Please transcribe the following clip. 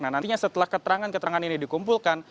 nah nantinya setelah keterangan keterangan ini dikumpulkan